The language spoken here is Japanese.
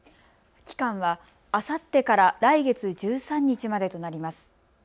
期間は、あさってから来月１３日までとなります。